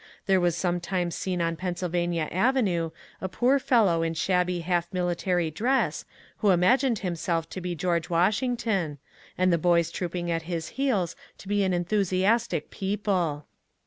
There was sometimes seen on Pennsylvania Avenue a poor fellow in shabby half military dress who imagined himself to be G^rge Washington, and the boys trooping at his heels to be an enthusiastic people.